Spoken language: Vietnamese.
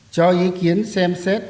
cho ý kiến xem xét